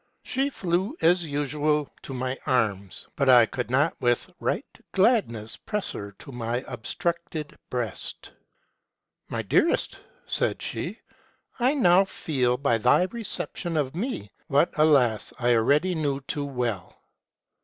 She flew as usual to my arms, but I could not with right gladness press her to my obstructed breast. "' My dearest,' said she, ' I now feel, by thy reception of me, what, alas ! I already knew too well.